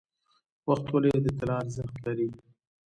وخت ولې د طلا ارزښت لري؟